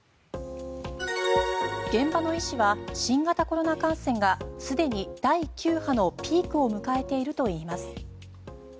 現場の医師は新型コロナ感染がすでに第９波のピークを迎えているといいます。